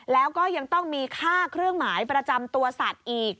แล้วก็ยังต้องมีค่าเครื่องหมายประจำตัวสัตว์อีก